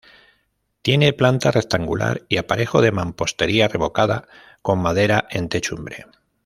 Tiene planta rectangular y aparejo de mampostería revocada, con madera en techumbre.